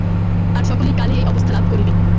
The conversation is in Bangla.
আর সকলেই কালে এই অবস্থা লাভ করিবে।